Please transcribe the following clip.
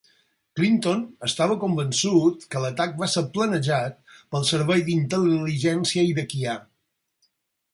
Clinton estava convençut que l'atac va ser planejat pel servei d'intel·ligència iraquià.